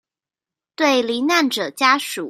對罹難者家屬